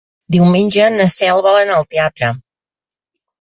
Diumenge na Cel vol anar al teatre.